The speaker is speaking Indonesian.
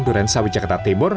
duren sawi jakarta timur